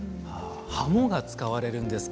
ハモが使われるんですか。